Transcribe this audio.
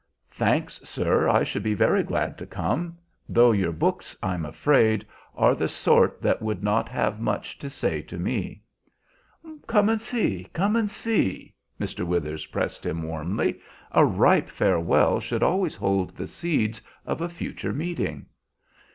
"Thanks, sir, I should be very glad to come; though your books, I'm afraid, are the sort that would not have much to say to me." "Come and see, come and see," Mr. Withers pressed him warmly. "A ripe farewell should always hold the seeds of a future meeting."